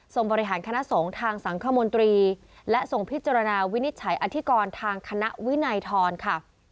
บริหารคณะสงฆ์ทางสังคมนตรีและส่งพิจารณาวินิจฉัยอธิกรทางคณะวินัยทรค่ะ